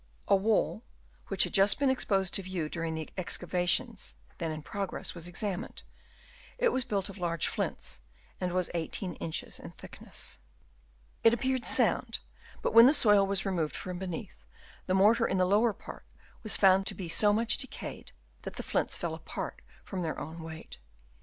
A wall, which had just been exposed to view during the excavations then in progress, was examined ; it was built of large flints, and was 18 inches in thickness. Q 212 BURIAL OF THE REMAINS Chap. IY. It appeared sound, but when the soil was removed from beneath, the mortar in the lower part was found to be so much decayed that the flints fell apart from their own weight.